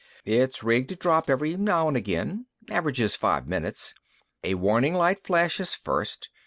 "It's rigged to drop every now and again. Averages five minutes. A warning light flashes first.